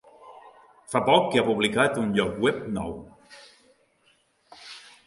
Fa poc que ha publicat un lloc web nou.